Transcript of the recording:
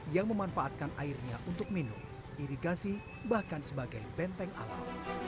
yang memanfaatkan airnya untuk minum irigasi bahkan sebagai benteng alam